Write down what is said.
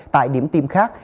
tại điểm tiêm khác